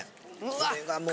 これはもう。